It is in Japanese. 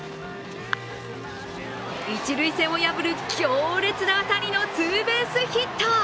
一塁線を破る強烈な当たりのツーベースヒット。